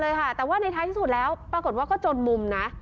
เสียหายกันเลยค่ะแต่ว่าในท้ายที่สุดแล้วปรากฏว่าก็จนมุมนะ